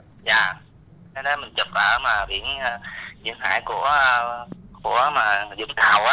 thế nên mình chụp ở biển vượt hải của vũng thảo á